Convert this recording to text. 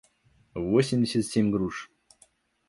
восемьдесят семь груш